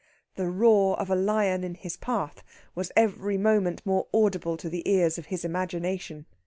The roar of a lion in his path was every moment more audible to the ears of his imagination.